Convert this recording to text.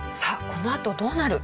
このあとどうなる？